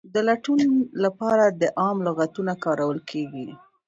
د لټون لپاره عام لغتونه کارول کیږي.